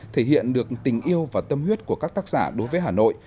thể hiện được tình yêu và tâm huyết của các tác giả đối với hà nội